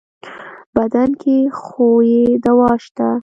بدن کې خو يې دوا شته.